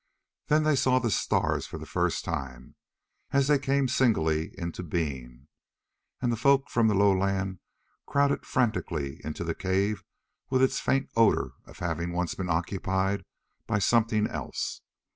Then they saw the stars for the first time, as they came singly into being. And the folk from the lowland crowded frantically into the cave with its faint odor of having once been occupied by something else.